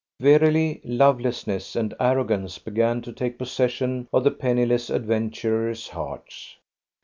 Verily, lovelessness and arrogance began to take possession of the penniless adventurers' hearts.